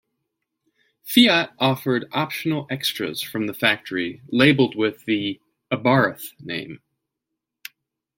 Fiat offered optional extras from the factory labelled with the Abarth name.